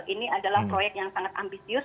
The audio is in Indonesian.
ini adalah proyek yang sangat ambisius